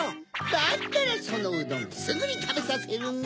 だったらそのうどんすぐにたべさせるネ。